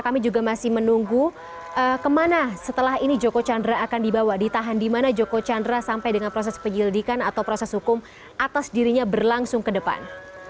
kami juga masih menunggu kemana setelah ini joko chandra akan dibawa ditahan di mana joko chandra sampai dengan proses penyelidikan atau proses hukum atas dirinya berlangsung ke depan